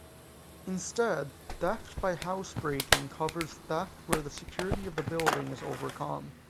Instead theft by housebreaking covers theft where the security of the building is overcome.